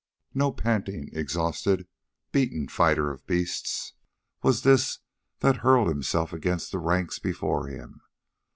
No panting, exhausted, beaten fighter of beasts was this that hurled himself against the ranks before him.